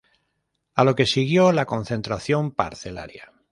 A lo que siguió la concentración parcelaria.